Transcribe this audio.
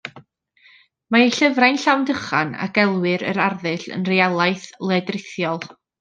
Mae ei llyfrau'n llawn dychan, a gelwir yr arddull yn realaeth ledrithiol.